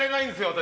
私。